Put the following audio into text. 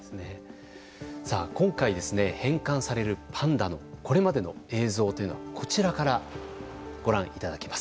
さあ、今回ですね返還されるパンダのこれまでの映像というのはこちらからご覧いただけます。